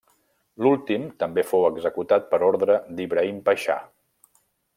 L'últim també fou executat per ordre d'Ibrahim Paixà.